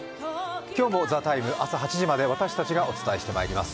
今日も「ＴＨＥＴＩＭＥ，」朝８時まで私たちがお伝えしていきます。